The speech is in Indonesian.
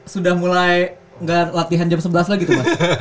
sudah mulai gak latihan jam sebelas lagi tuh mas